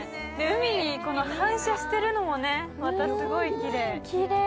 海に反射してるのも、またすごいきれい。